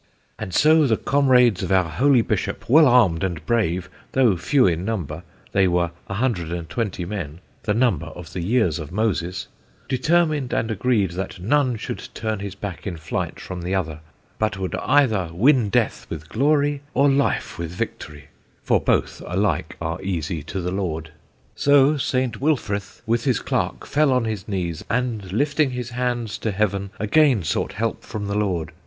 "And so the comrades of our holy bishop, well armed and brave, though few in number (they were 120 men, the number of the years of Moses), determined and agreed that none should turn his back in flight from the other, but would either win death with glory, or life with victory (for both alike are easy to the Lord). So S. Wilfrith with his clerk fell on his knees, and lifting his hands to Heaven again sought help from the Lord.